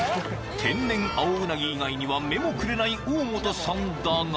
［天然青うなぎ以外には目もくれない大元さんだが］